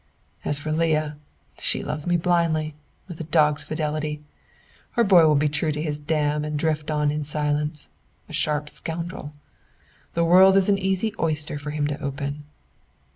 "As for Leah, she loves me blindly, with a dog's fidelity; her boy will be true to his dam and drift on in silence a sharp scoundrel! The world is an easy oyster for him to open.